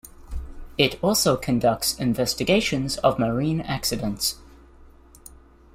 It also conducts investigations of marine accidents.